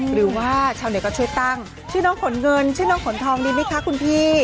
หรือว่าชาวเน็ตก็ช่วยตั้งชื่อน้องขนเงินชื่อน้องขนทองดีไหมคะคุณพี่